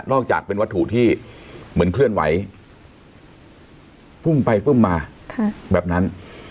อกจากเป็นวัตถุที่เหมือนเคลื่อนไหวพุ่งไปฟึ้มมาแบบนั้น